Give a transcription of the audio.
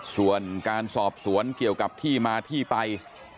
ส่วนการสอบสวนเกี่ยวกับที่มาที่ไป